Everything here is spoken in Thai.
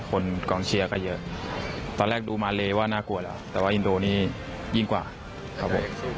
กองเชียร์ก็เยอะตอนแรกดูมาเลว่าน่ากลัวแล้วแต่ว่าอินโดนี่ยิ่งกว่าครับผม